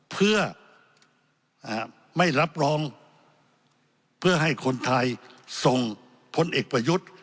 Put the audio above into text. เพื่อไม่รับรองเพื่อให้คนไทยส่งพลเอกประยุทธ์